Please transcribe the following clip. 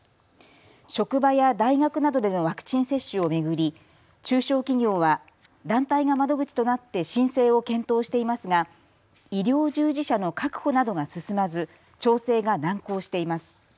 職場や大学などでのワクチン接種を巡り中小企業は団体が窓口となって申請を検討していますが医療従事者の確保などが進まず調整が難航しています。